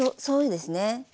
そうですね。